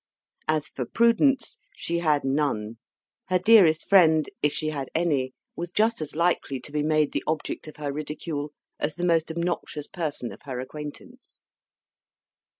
As for prudence, she had none; her dearest friend, if she had any, was just as likely to be made the object of her ridicule as the most obnoxious person of her acquaintance.